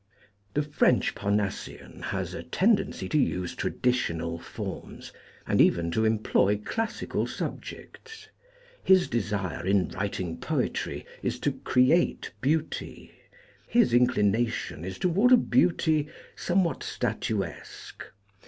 The French Parnassian has a tendency to use tradi tional forms, and even to employ classical subjects. His desire in writing poetry is to create beauty: his inclination is toward a beauty somewhat statuesque.